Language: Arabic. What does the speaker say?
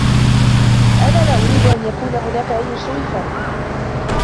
أنا لا أريد أن يكون هناك أي سوء فهم.